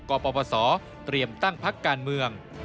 ปปศเตรียมตั้งพักการเมือง